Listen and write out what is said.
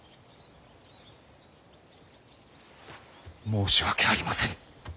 申し訳ありませぬ。